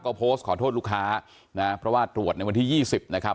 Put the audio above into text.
ก็โพสต์ขอโทษลูกค้านะเพราะว่าตรวจในวันที่๒๐นะครับ